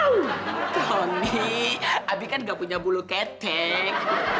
tony abi kan gak punya bulu ketek